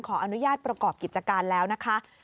ขออนุญาตประกอบกิจการแล้วนะคะ